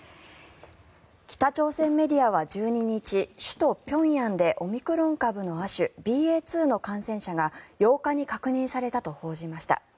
北朝鮮メディアは１２日首都・平壌でオミクロン株の亜種ＢＡ．２の感染者が８日に確認されたと報じました。